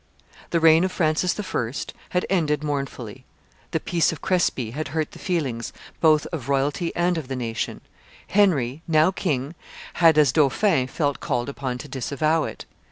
The reign of Francis I. had ended mournfully; the peace of Crespy had hurt the feelings both of royalty and of the nation; Henry, now king, had, as dauphin, felt called upon to disavow it.